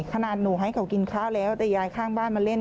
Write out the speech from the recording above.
ขนาดหนูให้เขากินข้าวแล้วแต่ยายข้างบ้านมาเล่น